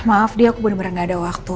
maaf dia aku bener bener gak ada waktu